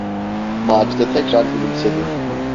Macide tekrar gülümsedi: